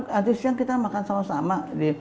hari siang kita makan sama sama di